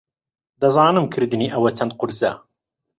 دەزانم کردنی ئەوە چەند قورسە.